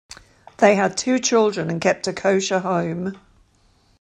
They had two children and kept a kosher home.